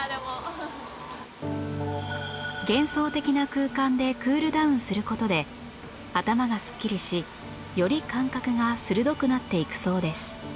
幻想的な空間でクールダウンする事で頭がすっきりしより感覚が鋭くなっていくそうです